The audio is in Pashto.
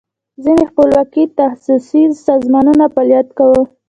ځینې خپلواکي تخصصي سازمانونو فعالیت کاو.